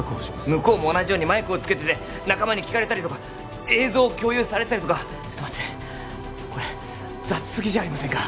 向こうも同じようにマイクをつけてて仲間に聞かれたりとか映像を共有されたりとかちょっと待ってこれ雑すぎじゃありませんか？